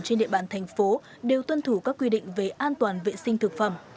trên địa bàn thành phố đều tuân thủ các quy định về an toàn vệ sinh thực phẩm